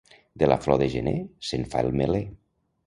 De la flor de gener se'n fa el meler.